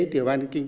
tiểu ban kinh tế